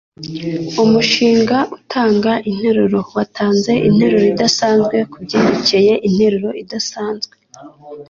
Umushinga utanga interuro watanze interuro idasanzwe kubyerekeye interuro idasanzwe.